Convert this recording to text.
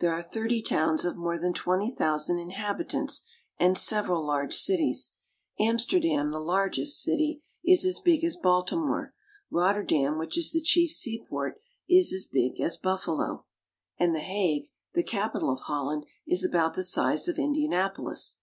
There are thirty towns of more than twenty thousand inhabitants, and several large cities. Amster dam, the largest city, is as big as Baltimore. Rotter dam, which is the chief seaport, is as big as Buffalo. IN THE DUTCH CITIES. H5 and The Hague (hag), the capital of Holland, is about the size of Indianapolis.